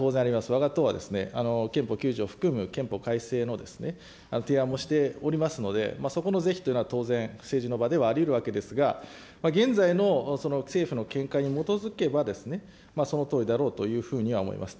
わが党は憲法９条を含む憲法改正の提案もしておりますので、そこの是非というのは当然、政治の場ではありうるわけですが、現在のその政府の見解に基づけば、そのとおりだろうというふうには思います。